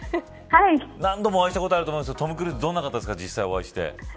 何度もお会いしたことあると思いますがトム・クルーズどんな方ですか実際にお会いして。